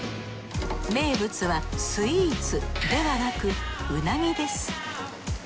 名物はスイーツではなく鰻です。